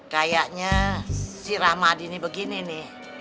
kayaknya si rahmadi nih begini nih